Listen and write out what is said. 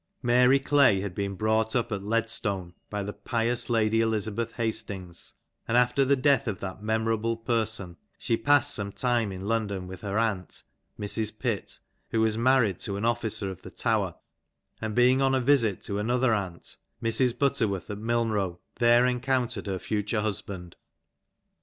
Mary Clay had been brought up at Ledstone by the pious Lady Elizabeth Hastings, and after the death of that memorable person she passed some time in London with her aunt, Mrs. Pitt, who was married to an officer of the Tower, and being on a visit to another aunt, Mrs. Butterworth at Milnrow, there encountered her future husband.